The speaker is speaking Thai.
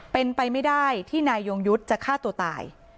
เป็นไปไม่ได้ที่นายยงยุทธ์จะฆ่าตัวตาย